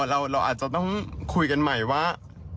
เราอาจจะต้องคุยกันใหม่ว่า